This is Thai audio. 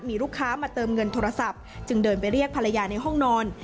มีลูกค้ามาเติมเงินโทรศัพท์จึงเดินไปเรียกภรรยาในห้องนอน